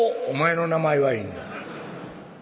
「お前の名前はいいんだ。